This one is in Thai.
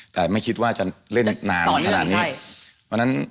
แต่ไม่คิดว่าจะเล่นนานขนาดนี้